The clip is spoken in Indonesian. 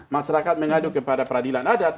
masyarakat mengadu kepada peradilan adat